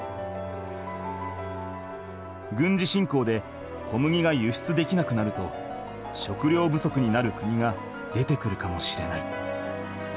軍事侵攻で小麦が輸出できなくなると食料不足になる国が出てくるかもしれない。